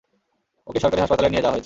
ওকে সরকারি হাসপাতালে নিয়ে যাওয়া হয়েছে।